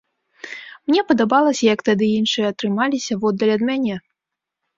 Мне падабалася, як тады іншыя трымаліся воддаль ад мяне.